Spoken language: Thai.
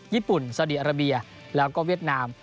ญี่ปุ่นสาวดีอาราเบียแล้วก็เวียดนาม